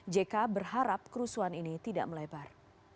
jk berharap kerusuhan ini tidak melebar